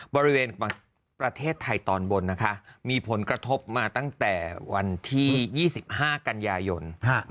บริเวณประเทศไทยตอนบนนะคะมีผลกระทบมาตั้งแต่วันที่๒๕กันยายน